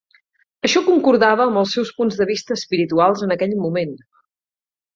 Això concordava amb els seus punts de vista espirituals en aquell moment.